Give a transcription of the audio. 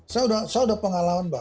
saya sudah pengalaman mbak